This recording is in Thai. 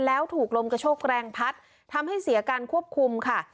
แล้วถูกลมกระโชกแรงพัดทำให้เสียการควบคุมค่ะ